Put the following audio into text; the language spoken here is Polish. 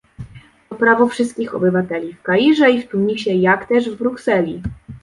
To prawo wszystkich obywateli - w Kairze i Tunisie jak też w Brukseli